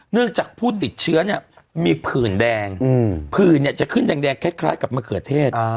จากผู้ติดเชื้อเนี่ยมีผื่นแดงผื่นเนี่ยจะขึ้นแดงคล้ายกับมะเขือเทศ